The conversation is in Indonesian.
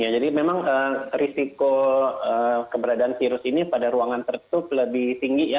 ya jadi memang risiko keberadaan virus ini pada ruangan tertutup lebih tinggi ya